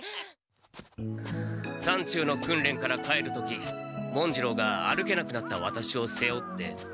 山中の訓練から帰る時文次郎が歩けなくなったワタシを背負って。